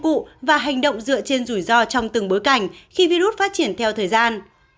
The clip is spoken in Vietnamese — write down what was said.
cụ và hành động dựa trên rủi ro trong từng bối cảnh khi virus phát triển theo thời gian